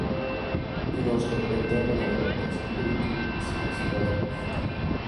Y nos lo cuenta de manera casi lúdica, sin espasmos.